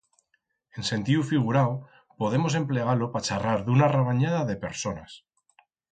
En sentiu figurau, podemos emplegar-lo pa charrar d'una rabanyada de personas.